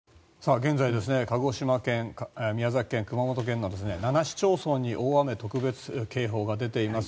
現在、鹿児島県、宮崎県熊本県の７市町村に大雨特別警報が出ています。